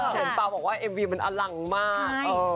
เปล่าบอกว่าเอ็มวีมันอลังมาก